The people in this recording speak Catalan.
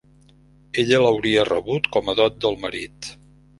Ella l'hauria rebut com a dot del marit.